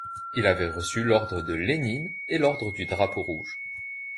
Il avait reçu l'ordre de Lénine et l'ordre du Drapeau rouge.